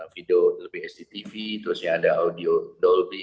video lebih sdtv terusnya ada audio dolby